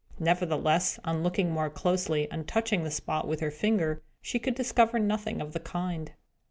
Nevertheless, on looking more closely, and touching the spot with her finger, she could discover nothing of the kind.